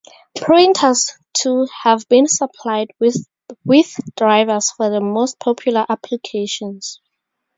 Printers, too, have been supplied with drivers for the most popular applications.